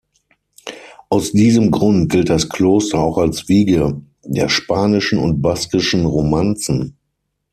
Aus diesem Grund gilt das Kloster auch als Wiege der spanischen und baskischen Romanzen.